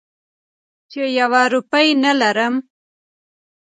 چې یوه روپۍ نه لرم.